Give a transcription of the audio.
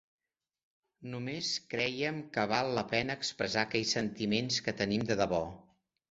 Només creiem que val la pena expressar aquells sentiments que tenim de debò.